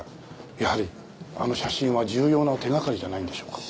やはりあの写真は重要な手掛かりじゃないんでしょうか。